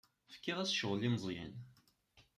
Fkiɣ-as ccɣel i Meẓyan.